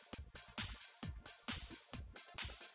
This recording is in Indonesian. dasar orang tua pelit